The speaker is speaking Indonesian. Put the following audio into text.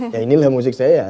ya inilah musik saya